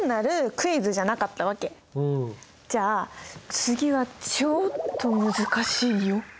じゃあ次はちょっと難しいよ。